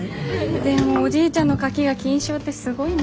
でもおじいちゃんのカキが金賞ってすごいね。